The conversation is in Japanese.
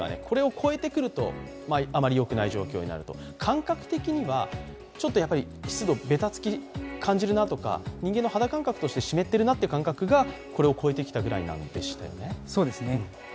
感覚的には、湿度、べたつきを感じるなとか人間の肌感覚として湿っているなという感覚がこれを超えてきたぐらいですよね。